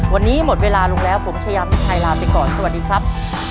วันนี้หมดเวลาลงแล้วผมชายามิชัยลาไปก่อนสวัสดีครับ